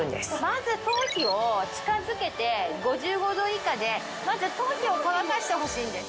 まず頭皮を近づけて５５度以下でまず頭皮を乾かしてほしいんです。